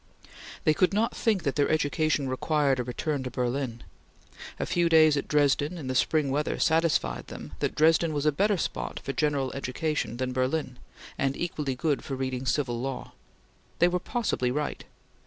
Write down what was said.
They could not think that their education required a return to Berlin. A few days at Dresden in the spring weather satisfied them that Dresden was a better spot for general education than Berlin, and equally good for reading Civil Law. They were possibly right.